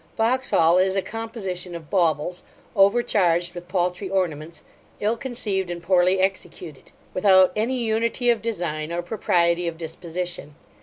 Vauxhall is a composition of baubles, overcharged with paltry ornaments, ill conceived, and poorly executed; without any unity of design, or propriety of disposition.